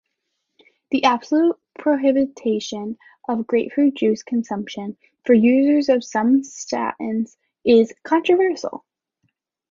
The absolute prohibition of grapefruit juice consumption for users of some statins is controversial.